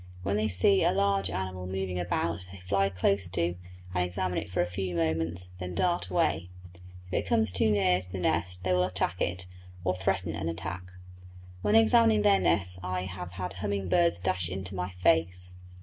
When they see a large animal moving about they fly close to and examine it for a few moments, then dart away; if it comes too near the nest they will attack it, or threaten an attack. When examining their nests I have had humming birds dash into my face.